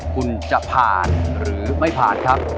คุณจะผ่านหรือไม่ผ่านครับ